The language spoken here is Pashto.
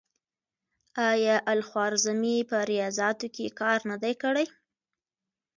آیا الخوارزمي په ریاضیاتو کې کار نه دی کړی؟